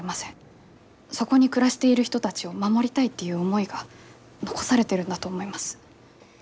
そこに暮らしている人たちを守りたいっていう思いが残されてるんだと思います。